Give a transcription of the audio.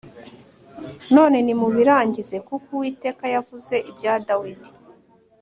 none nimubirangize kuko Uwiteka yavuze ibya Dawidi